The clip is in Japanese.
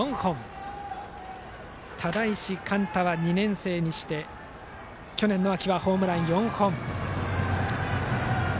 バッターの只石貫太は２年生にして去年の秋はホームラン４本。